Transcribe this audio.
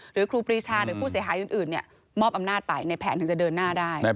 ครูปรีชาหรือผู้เสียหายอื่นมอบอำนาจไปในแผนถึงจะเดินหน้าได้